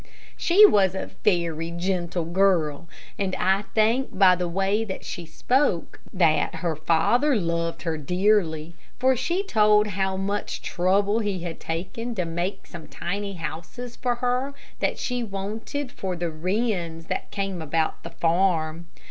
She was a very gentle girl, and I think by the way that she spoke that her father loved her dearly, for she told how much trouble he had taken to make some tiny houses for her that she wanted for the wrens that came about their farm.